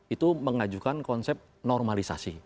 itu mengajukan konsep normalisasi